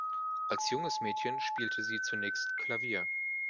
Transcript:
Als junges Mädchen spielte sie zunächst Klavier.